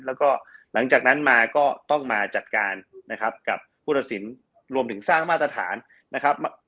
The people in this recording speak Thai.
แล้วก็หลังจากนั้นมาก็ต้องมาจัดการนะครับกับผู้ตัดสินรวมถึงสร้างมาตรฐานนะครับ